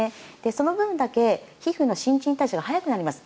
その分だけ皮膚の新陳代謝が早くなります。